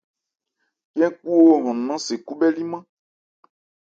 Cɛ́n-kúwo hɔn nnan se khúbhɛ́límán.